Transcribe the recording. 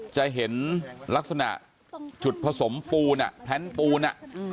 จะเห็นลักษณะจุดผสมปูนแพลนปูน